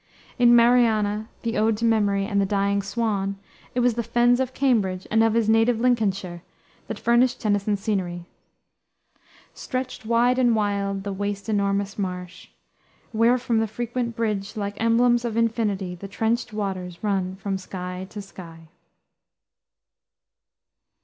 In Mariana, the Ode to Memory, and the Dying Swan, it was the fens of Cambridge and of his native Lincolnshire that furnished Tennyson's scenery. "Stretched wide and wild, the waste enormous marsh, Where from the frequent bridge, Like emblems of infinity, The trenched waters run from sky to sky."